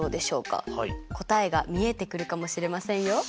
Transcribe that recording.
答えが見えてくるかもしれませんよ。